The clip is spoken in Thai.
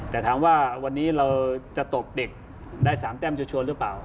แต่ถามว่าวันนี้เราจะตบเด็กได้๓แต้มชัวร์หรือเปล่า